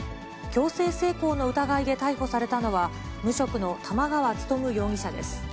強制性交の疑いで逮捕されたのは、無職の玉川勉容疑者です。